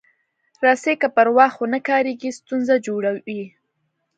رسۍ که پر وخت ونه کارېږي، ستونزه جوړوي.